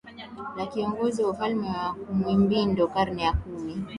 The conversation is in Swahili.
la kiongozi wa ufalme wa Kwimbundo karne ya kumi